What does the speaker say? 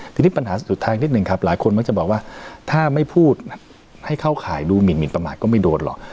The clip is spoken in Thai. ทีนี้ปัญหาสุดท้ายนิดหนึ่งครับหลายคนมักจะบอกว่าถ้าไม่พูดให้เข้าข่ายดูหมินประมาทก็ไม่โดนหรอก